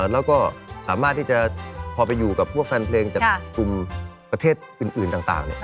แล้วก็สามารถที่จะพอไปอยู่กับพวกแฟนเพลงจากกลุ่มประเทศอื่นต่าง